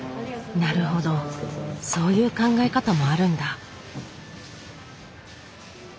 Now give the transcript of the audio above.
なるほどそういう考え方もあるんだ。